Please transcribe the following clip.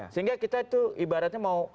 sehingga kita itu ibaratnya mau